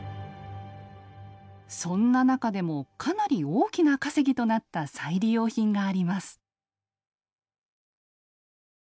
そんな中でもかなり大きな稼ぎとなった再利用品があります。